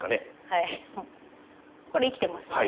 はい生きてますね。